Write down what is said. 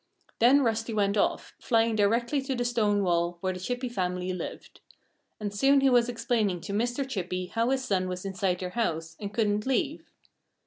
Then Rusty went off, flying directly to the stone wall where the Chippy family lived. And soon he was explaining to Mr. Chippy how his son was inside their house and couldn't leave.